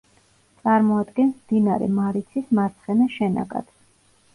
წარმოადგენს მდინარე მარიცის მარცხენა შენაკადს.